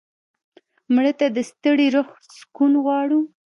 مړه ته د ستړي روح سکون غواړو